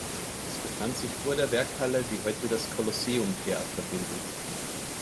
Es befand sich vor der Werkshalle, die heute das Colosseum Theater bildet.